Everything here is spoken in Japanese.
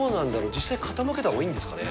実際傾けた方いいんですかね？